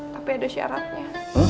tapi ada syaratnya